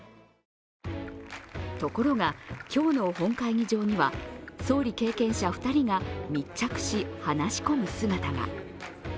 ところが、今日の本会議場には総理経験者２人が密着し話し込む菅田が。